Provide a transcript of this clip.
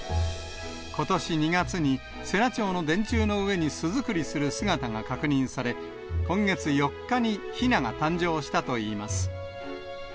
ことし２月に、世羅町の電柱の上に巣作りする姿が確認され、今月４日にひなが誕生したといいます。